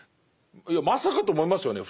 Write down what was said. いやまさかと思いますよね。